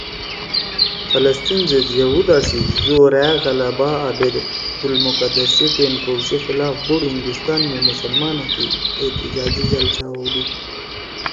“ فلسطین زید یہُودا سی زورأ غَلَبا آں بیت المقدس سی ٹین کؤ سی خلاف بُوڑ ہندوستان می مسلمانا سی احتجاجی جلسہ ہؤدُود